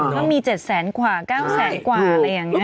ต้องมี๗๐๐ว่า๙๐๐อย่าง